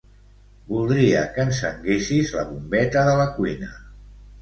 Voldria que encenguessis la bombeta de la cuina.